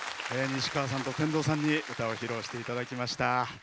西川さんと天童さんに歌を披露していただきました。